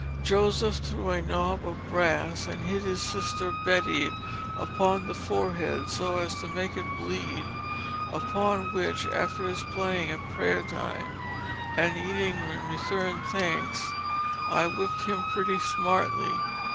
Joseph threw a knob of Brass, and hit his sister Betty upon the forehead so as to make it bleed; upon which, and for his playing at Prayer time, and eating when Return Thanks I whip'd him pretty smartly.